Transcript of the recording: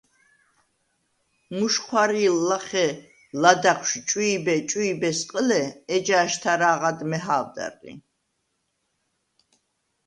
მუჟჴვარი̄ლ ლახე ლადაღშვ “ჭვი̄ბე-ჭვი̄ბე”-ს ყჷლე, ეჯა აშთა̄რაღად მეჰა̄ვდარ ლი.